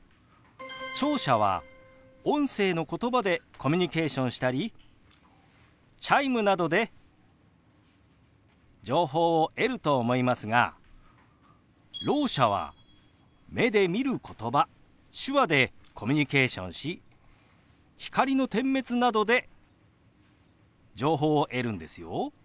聴者は音声のことばでコミュニケーションしたりチャイムなどで情報を得ると思いますがろう者は目で見ることば手話でコミュニケーションし光の点滅などで情報を得るんですよ。